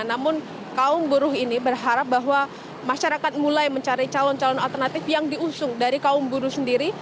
namun kaum buruh ini berharap bahwa masyarakat mulai mencari calon calon alternatif yang diusung dari kaum buruh sendiri